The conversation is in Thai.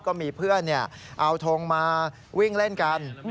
ก็มีเพื่อนเอาทงมาวิ่งเล่นกัน